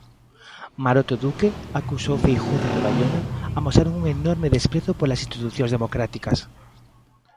Maroto e Duque, acusou Feijóo dende Baiona, amosaron un "enorme desprezo polas institucións democráticas".